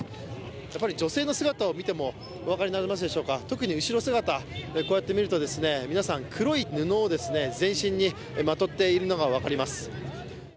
やっぱり女性の姿を見てもお分かりになりますでしょうか、特に後ろ姿、こうやって見ると、皆さん、黒い布を全身にまとっているのが分かります。